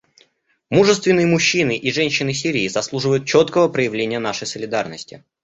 Мужественные мужчины и женщины Сирии заслуживают четкого проявления нашей солидарности.